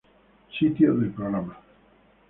Sitio del programa